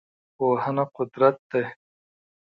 پوهنه قدرت دی.